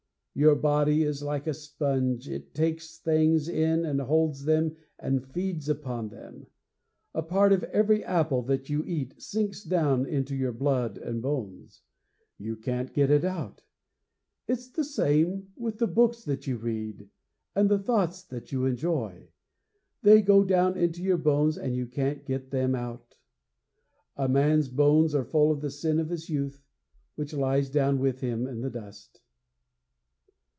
Your body is like a sponge; it takes things in and holds them and feeds upon them. A part of every apple that you eat sinks down into your blood and bones. You can't get it out. It's the same with the books that you read and the thoughts that you enjoy. They go down into your bones and you can't get them out. _A man's bones are full of the sin of his youth, which lies down with him in the dust!